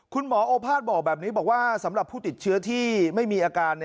โอภาษย์บอกแบบนี้บอกว่าสำหรับผู้ติดเชื้อที่ไม่มีอาการ